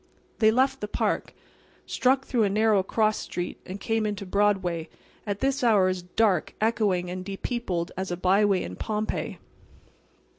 They left the park, struck through a narrow cross street, and came into Broadway, at this hour as dark, echoing and de peopled as a byway in Pompeii.